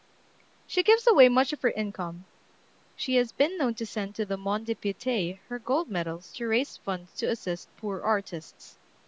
She gives away much of her income. She has been known to send to the Mont de Pieté her gold medals to raise funds to assist poor artists.